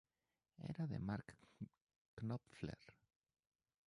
Era de Mark Knopfler.